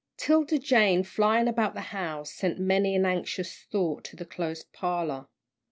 'Tilda Jane, flying about the house, sent many an anxious thought to the closed parlour.